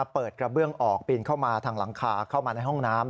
กระเบื้องออกปีนเข้ามาทางหลังคาเข้ามาในห้องน้ำ